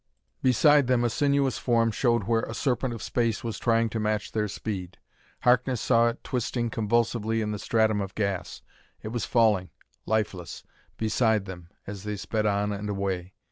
Beside them a sinuous form showed where a serpent of space was trying to match their speed. Harkness saw it twisting convulsively in the stratum of gas; it was falling, lifeless, beside them as they sped on and away.